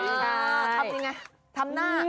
คับนี่ไงทำหน้า